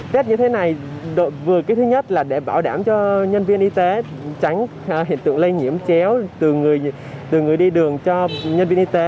tết như thế này vừa cái thứ nhất là để bảo đảm cho nhân viên y tế tránh hiện tượng lây nhiễm chéo từ người đi đường cho nhân viên y tế